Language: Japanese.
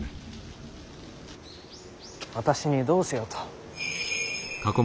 私にどうせよと。